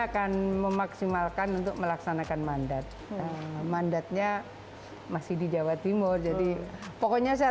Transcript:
akan memaksimalkan untuk melaksanakan mandat mandatnya masih di jawa timur jadi pokoknya saya